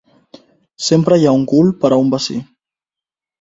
Sempre hi ha un cul per a un bací.